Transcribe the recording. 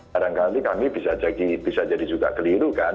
kadang kadang kami bisa jadi juga keliru kan